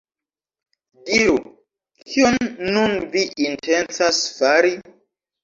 Diru, kion nun vi intencas fari?